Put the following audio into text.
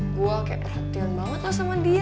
gue kayak perhatian banget lah sama dia